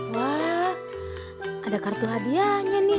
wah ada kartu hadiahnya nih